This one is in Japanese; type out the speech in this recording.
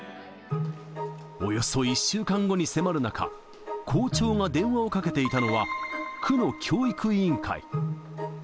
およそ１週間後に迫る中、校長が電話をかけていたのは、区の教育委員会。